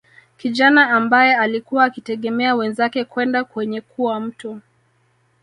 Kijana ambae alikuwa akitegemea wenzake kwenda kwenye kuwa mtu